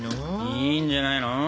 いいんじゃないの？